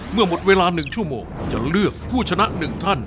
เมื่อหมดเวลา๑ชั่วโมงจะเลือกผู้ชนะ๑ท่าน